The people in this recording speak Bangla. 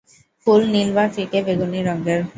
ফুল নীল বা ফিকে বেগুনি রঙের।